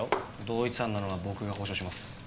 同一犯なのは僕が保証します。